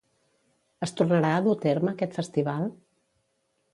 Es tornarà a dur a terme aquest festival?